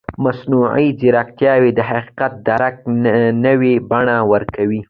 مصنوعي ځیرکتیا د حقیقت درک نوې بڼه ورکوي.